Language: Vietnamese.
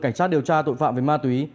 cảnh sát điều tra tội phạm về ma túy